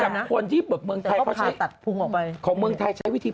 เหมือนกับคนที่เมืองไทยเขาใช้ของเมืองไทยใช้วิธี